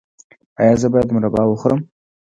ایا زه باید مربا وخورم؟